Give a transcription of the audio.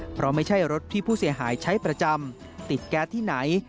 เพราะไม่ใช่รถที่ผู้เสียหายใช้ประจำติดแก๊สที่ไหน